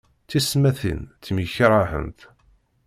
Tisetmatin temyekrahent.